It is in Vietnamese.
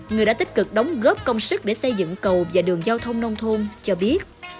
người đã tích cực đóng góp công sức để xây dựng cầu và đường giao thông nông thôn cho biết